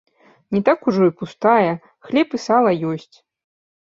Не так ужо і пустая, хлеб і сала ёсць.